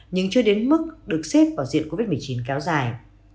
nhưng chưa đến mức được xếp vào diện covid một mươi chín kéo dài